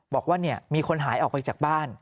บอกว่ามีคนหายออกไปจากบ้าน